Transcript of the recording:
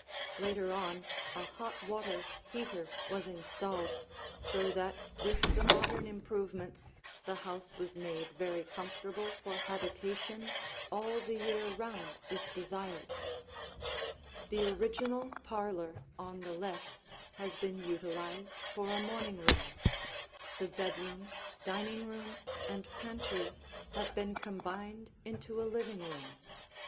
Later on, a hot water heater was installed, so that with the modern improvements the house was made very comfortable for habitation all the year round if desired. [Illustration: A First floor Vista] The original parlor on the left has been utilized for a morning room; the bedroom, dining room, and pantry have been combined into a living room.